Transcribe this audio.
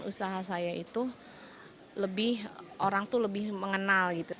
usaha saya itu lebih orang itu lebih mengenal gitu